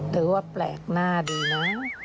ถือว่าแปลกหน้าดีนะ